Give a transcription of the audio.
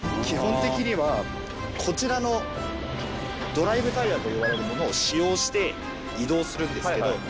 基本的にはこちらのドライブタイヤと呼ばれるものを使用して移動するんですけど。